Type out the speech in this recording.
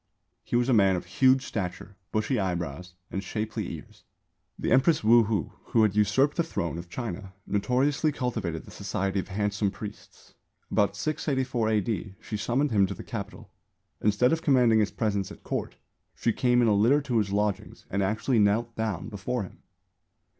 He was a man of "huge stature, bushy eyebrows and shapely ears." The Empress Wu Hou, who had usurped the throne of China, notoriously cultivated the society of handsome priests. About 684 A.D. she summoned him to the Capital. Instead of commanding his presence at Court she came in a litter to his lodgings and actually knelt down before him.